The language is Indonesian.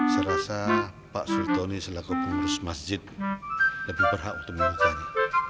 saya rasa pak sultoni selaku pengurus masjid lebih berhak untuk memintanya